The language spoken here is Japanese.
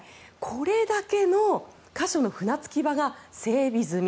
これだけの箇所の船着き場が整備済み。